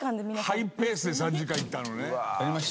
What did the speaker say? ハイペースで３時間いったのね。